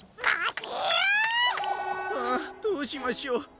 あどうしましょう。